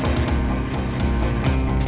ya muziknya eduk dikit